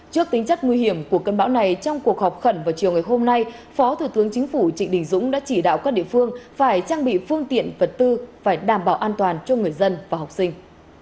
trước tính chất nguy hiểm của cơn bão này trong cuộc họp khẩn vào chiều ngày hôm nay phó thủ tướng chính phủ trịnh đình dũng đã chỉ đạo các địa phương phải trang bị phương tiện vật tư phải đảm bảo an toàn cho người dân và học sinh